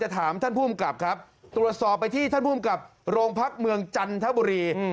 ถามท่านภูมิกับครับตรวจสอบไปที่ท่านภูมิกับโรงพักเมืองจันทบุรี